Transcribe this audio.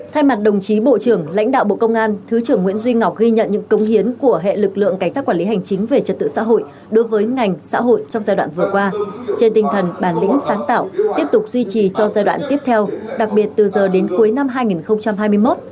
thay mặt đồng chí bộ trưởng lãnh đạo bộ công an thứ trưởng nguyễn duy ngọc ghi nhận những công hiến của hệ lực lượng cảnh sát quản lý hành chính về trật tự xã hội đối với ngành xã hội trong giai đoạn vừa qua trên tinh thần bản lĩnh sáng tạo tiếp tục duy trì cho giai đoạn tiếp theo đặc biệt từ giờ đến cuối năm hai nghìn hai mươi một